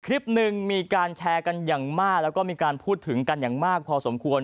คลิปหนึ่งมีการแชร์กันอย่างมากแล้วก็มีการพูดถึงกันอย่างมากพอสมควร